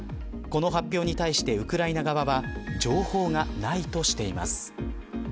この発表に対してウクライナ側は情報がないとしています。